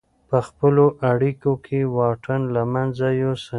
په خپلو اړیکو کې واټن له منځه یوسئ.